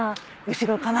後ろかな？